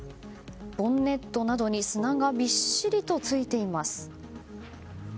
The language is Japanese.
ボンネットなどに砂がびっしりとついています。